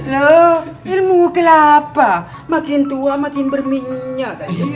lo ilmu kelapa makin tua makin berminyak